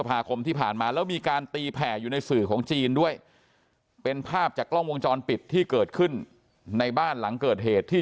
ภาคมที่ผ่านมาแล้วมีการตีแผ่อยู่ในสื่อของจีนด้วยเป็นภาพจากกล้องวงจรปิดที่เกิดขึ้นในบ้านหลังเกิดเหตุที่